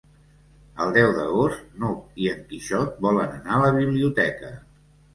El deu d'agost n'Hug i en Quixot volen anar a la biblioteca.